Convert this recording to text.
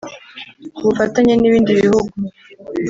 ku bufatanye n’ibindi bihugu